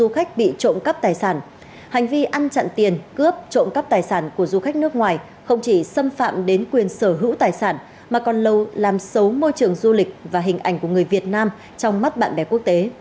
vụ du khách bị trộm cắp tài sản hành vi ăn chặn tiền cướp trộm cắp tài sản của du khách nước ngoài không chỉ xâm phạm đến quyền sở hữu tài sản mà còn lâu làm xấu môi trường du lịch và hình ảnh của người việt nam trong mắt bạn bè quốc tế